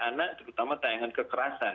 anak terutama tayangan kekerasan